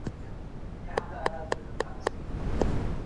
سياسي ګوندونه بايد خپل پلانونه له خلکو سره شريک کړي.